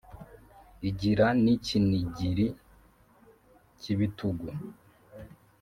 igira n‘icyinigiri k’ibitugu,